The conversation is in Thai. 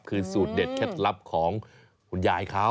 คือสูตรเด็ดเคล็ดลับของคุณยายเขา